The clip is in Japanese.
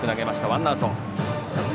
ワンアウト。